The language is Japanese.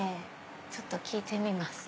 ちょっと聞いてみます。